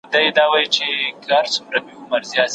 قلمي خط د ښوونځي د بنسټیزو مهارتونو څخه دی.